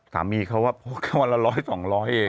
สามีเขาว่าโพกแค่วันละร้อยสองร้อยเอง